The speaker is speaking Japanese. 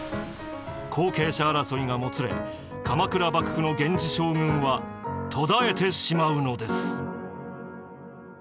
後継者争いがもつれ鎌倉幕府の源氏将軍は途絶えてしまうのです。